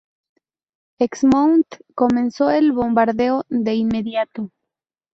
Exmouth comenzó el bombardeo de inmediato.